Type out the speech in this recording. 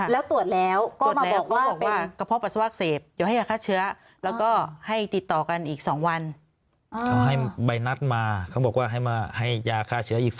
แล้วตรวจแล้วก็มาบอกว่ากระเพาะปัสสาว่าอักเสบเดี๋ยวให้ยาฆ่าเชื้อ